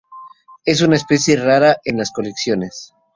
Es una especie rara en las colecciones.